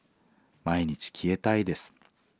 毎日消えたいです。